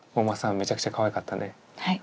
めちゃくちゃかわいかったね。